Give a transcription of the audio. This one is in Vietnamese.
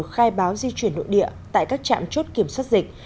khai báo di chuyển nội địa tại các trạm chốt kiểm soát dịch